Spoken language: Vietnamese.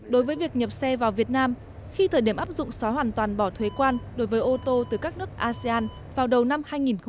đối với việc nhập xe vào việt nam khi thời điểm áp dụng xóa hoàn toàn bỏ thuế quan đối với ô tô từ các nước asean vào đầu năm hai nghìn hai mươi